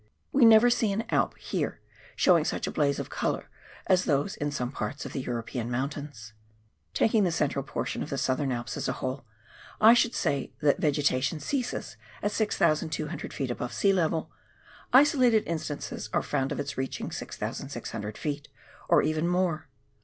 We never see an Alp, here, showing such a blaze of colour as those in some parts of the European mountains. Taking the central portion of the Southern Alps as a whole, I should say that vegetation ceases at 6,200 ft. above sea level ; isolated instances are found of its reaching 6,600 ft., or even more.